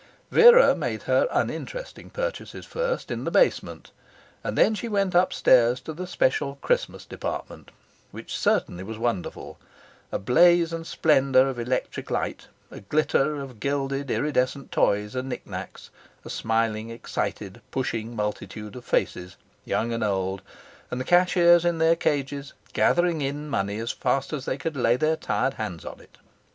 Vera made her uninteresting purchases first, in the basement, and then she went up stairs to the special Christmas department, which certainly was wonderful: a blaze and splendour of electric light; a glitter of gilded iridescent toys and knick knacks; a smiling, excited, pushing multitude of faces, young and old; and the cashiers in their cages gathering in money as fast as they could lay their tired hands on it!